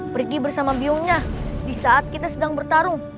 pergi bersama biongnya di saat kita sedang bertarung